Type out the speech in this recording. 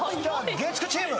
月９チーム。